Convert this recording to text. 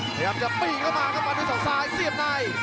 พยายามจะปิดเข้ามาเข้ามาด้วยสาวซ้ายเสียบใน